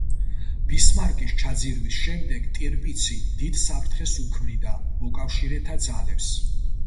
ბისმარკის ჩაძირვის შემდეგ ტირპიცი დიდ საფრთხეს უქმნიდა მოკავშირეთა ძალებს.